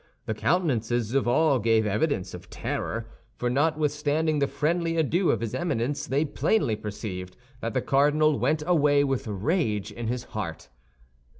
The countenances of all gave evidence of terror, for notwithstanding the friendly adieu of his Eminence, they plainly perceived that the cardinal went away with rage in his heart.